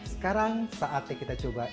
sekarang saatnya kita coba